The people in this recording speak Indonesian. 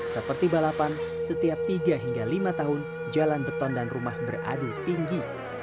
seperti balapan setiap tiga hingga lima tahun jalan beton dan rumah beradu tinggi